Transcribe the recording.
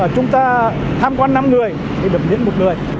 chúng ta tham quan năm người thì được hiến một người